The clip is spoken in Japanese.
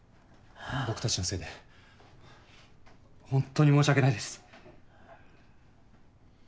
僕たちのせいでホントに申し訳ないです。